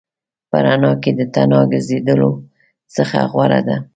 په رڼا کې د تنها ګرځېدلو څخه غوره ده.